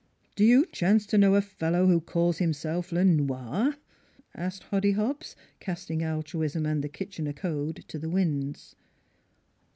" Do you chance to know a fellow who calls himself Le Nolr? " asked Hoddy Hobbs, casting altruism and the Kitchener code to the winds.